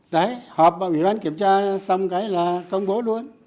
đấy họp bảo vệ bán kiểm tra xong cái là công bố luôn